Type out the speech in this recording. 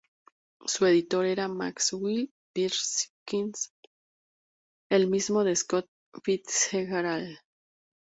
Su editor era Maxwell Perkins, el mismo de Scott Fitzgerald.